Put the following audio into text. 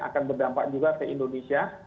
akan berdampak juga ke indonesia